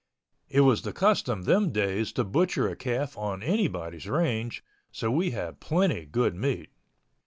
It was the custom them days to butcher a calf on anybody's range, so we had plenty good meat.